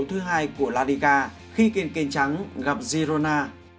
đó là trận đấu thứ hai của la liga khi kênh kênh trắng gặp girona